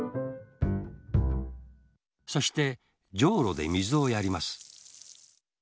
そしてじょうろでみずをやります。